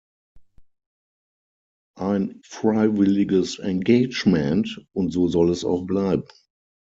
Ein freiwilliges Engagement und so soll es auch bleiben.